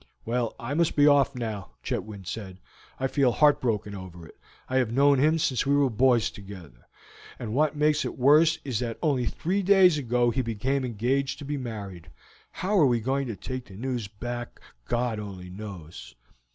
"Well, I must be off now," Chetwynd said. "I feel heartbroken over it. I have known him since we were boys together; and what makes it worse is that only three days ago he became engaged to be married. How we are going to take the news back God only knows!"